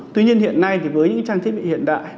tuy nhiên hiện nay thì với những trang thiết bị hiện đại